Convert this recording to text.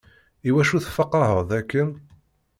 Iwacu tfeqeεeḍ akken?